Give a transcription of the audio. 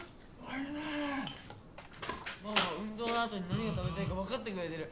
ママは運動の後に何が食べたいか分かってくれてる。